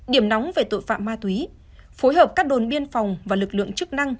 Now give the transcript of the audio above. điểm nóng về tội phạm ma túy phối hợp các đồn biên phòng và lực lượng chức năng